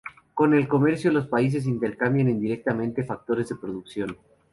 Con el comercio los países intercambian indirectamente factores de producción.